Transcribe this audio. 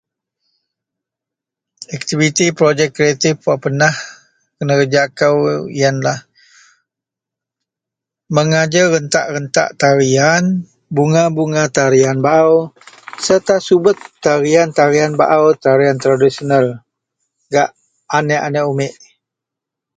Aktiviti projek kretip wak penah kenereja kou yenlah mengajer rentak-rentak tarian, bunga-bunga tarian baou sereta subet tarian-tarian baou, tarian-tarian tradisional gak aneak-aneak umik.